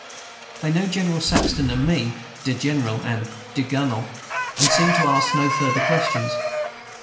They know General Saxton and me, "de General" and "de Gunnel," and seem to ask no further questions.